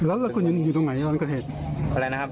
อะไรนะครับ